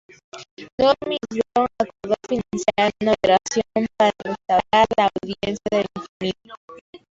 Normie Osborn acordó financiar una operación para restaurar la audiencia de Benjamin.